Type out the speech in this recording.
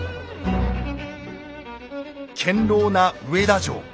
堅牢な上田城